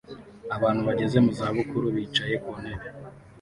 Abantu bageze mu zabukuru bicaye ku ntebe